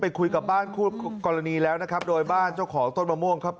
คุยกับบ้านคู่กรณีแล้วนะครับโดยบ้านเจ้าของต้นมะม่วงครับ